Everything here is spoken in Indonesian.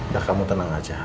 ya kamu tenang aja